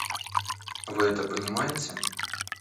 Вы это понимаете?